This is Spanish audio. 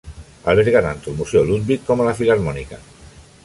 Alberga tanto al Museo Ludwig como a la Filarmónica.